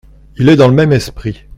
Il est dans le même esprit.